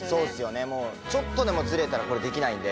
もうちょっとでもずれたらこれできないんで。